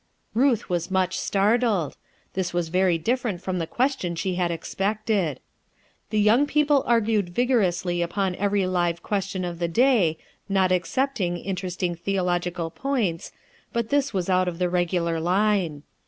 Buth was much startled. This was very different from the question she had expected. The young people argued vigorously upon every live question of tue day, not excepting interesting theological points, but this was out of the regular line.